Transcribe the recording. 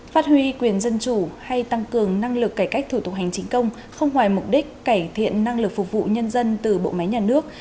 phát huy quyền dân chủ hay tăng cường năng lực cải cách thủ tục hành chính công không ngoài mục đích cải thiện năng lực phục vụ nhân dân từ bộ máy nhà nước